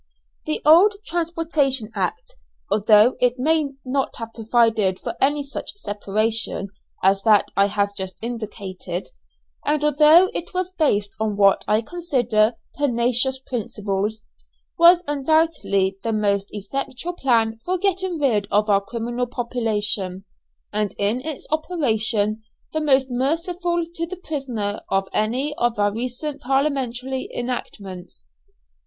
The old Transportation Act, although it may not have provided for any such separation as that I have just indicated, and although it was based on what I consider pernicious principles, was undoubtedly the most effectual plan for getting rid of our criminal population, and in its operation the most merciful to the prisoner of any of our recent parliamentary enactments.